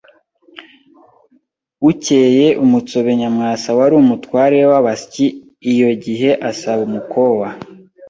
ukeye umutsobe Nyamwasa wari umutware w’abasyi iyo gihe asaba umukowa